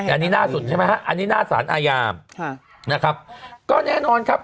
อันนี้หน้าสารอาญานะครับก็แน่นอนครับ